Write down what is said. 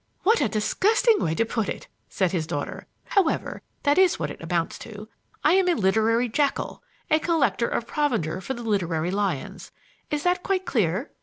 "What a disgusting way to put it!" said his daughter. "However, that is what it amounts to. I am a literary jackal, a collector of provender for the literary lions. Is that quite clear?"